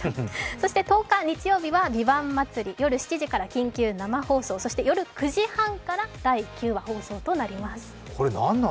そして１０日日曜日は「ＶＩＶＡＮＴ祭り」、夜７時から緊急生放送スペシャル、そして夜９時半から第９話放送となります。